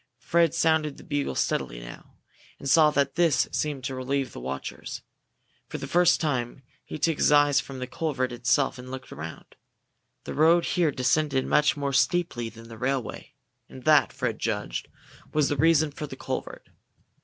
Fred sounded the bugle steadily now, and saw that this seemed to relieve the watchers. For the first time he took his eyes from the culvert itself and looked around. The road here descended much more steeply than the railway, and that, Fred judged, was the reason for the culvert.